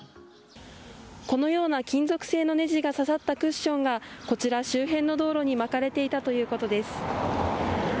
このような金属製のネジが刺さったクッションが周辺の道路にまかれていたということです。